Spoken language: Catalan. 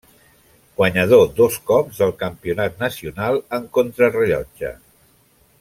Guanyador dos cops del campionat nacional en contrarellotge.